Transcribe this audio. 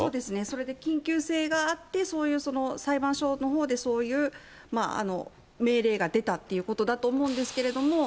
それで緊急性があって、そういう裁判所のほうで、そういう命令が出たっていうことだと思うんですけれども。